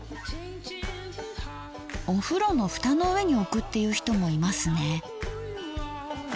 お風呂のフタの上に置くっていう人もいますね。